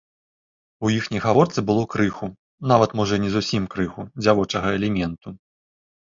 У іхняй гаворцы было крыху, нават можа і не зусім крыху, дзявочага элементу.